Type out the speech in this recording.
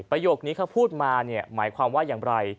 ประโยคนี้ก็พูดมาหมายความว่าอย่างไร